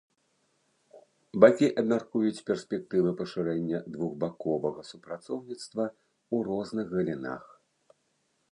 Бакі абмяркуюць перспектывы пашырэння двухбаковага супрацоўніцтва ў розных галінах.